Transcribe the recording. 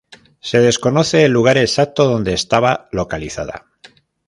Se desconoce el lugar exacto donde estaba localizada.